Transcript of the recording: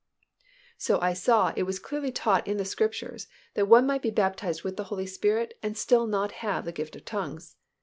So I saw it was clearly taught in the Scriptures that one might be baptized with the Holy Spirit and still not have the gift of tongues.